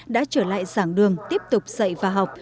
đã trở lại giảng đường tiếp tục dạy và học